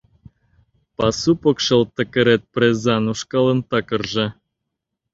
Пасу покшел такырет Презан ушкалын такырже.